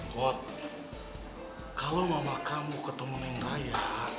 mor kalau mama kamu ketemu sama neng raya